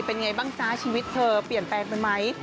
เป็นไงบ้างจ๊ะชีวิตเธอเปลี่ยนแปลงไปไหม